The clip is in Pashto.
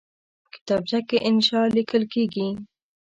کتابچه کې انشاء لیکل کېږي